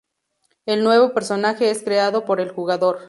El nuevo personaje es creado por el jugador.